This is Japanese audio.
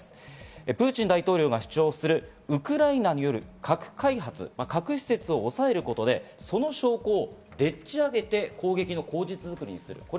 そして３つ目がプーチン大統領は主張するウクライナによる核開発、核施設を抑えることでその証拠をでっち上げて攻撃の口実作りをする。